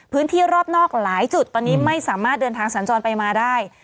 รอบนอกหลายจุดตอนนี้ไม่สามารถเดินทางสัญจรไปมาได้